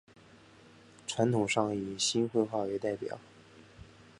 传统上以新会话为代表。